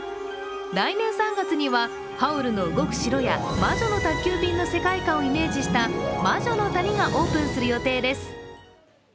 来年３月には「ハウルの動く城」や「魔女の宅急便」の世界観をイメージした魔女の谷がオープンする予定です。